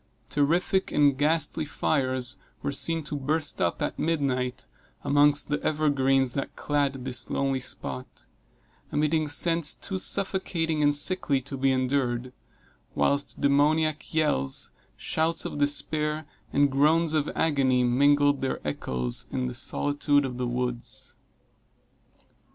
Terrific and ghastly fires were seen to burst up, at midnight, amongst the evergreens that clad this lonely spot, emitting scents too suffocating and sickly to be endured; whilst demoniac yells, shouts of despair and groans of agony, mingled their echos in the solitude of the woods.